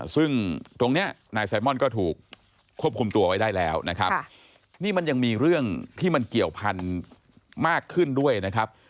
ซึ่งตรงนี้นายไซมอนก็ถูกควบคุมตัวไว้ได้แล้วนะครับนี่มันยังมีเรื่องที่มันเกี่ยวพันธุ์มากขึ้นด้วยนะครับ